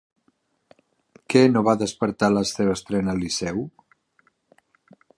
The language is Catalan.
Què no va despertar la seva estrena al Liceu?